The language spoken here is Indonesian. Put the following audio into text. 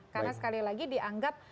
karena sekali lagi dianggap